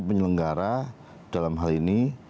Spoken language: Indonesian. penyelenggara dalam hal ini